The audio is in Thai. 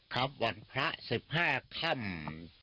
ครับวันพระสิบห้าค่ำ